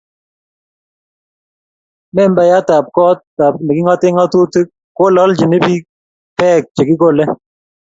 Membayat ab kot ab nekingate ngatutik kole aljini biik peek che kikole